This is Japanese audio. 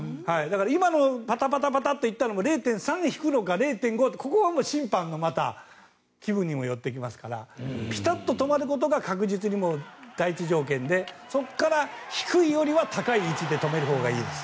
今のパタパタッといったのも０．３引くのか０．５引くのかはこれは審判の気分にもよりますからピタッと止まることが第一条件でそこから低いよりは高い位置で止めるほうがいいです。